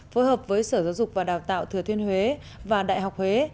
phối hợp với sở giáo dục và đào tạo thừa thuyên huế và đại học huế